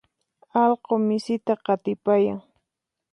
allqu misita qatipayan.